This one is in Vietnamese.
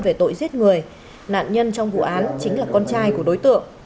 về tội giết người nạn nhân trong vụ án chính là con trai của đối tượng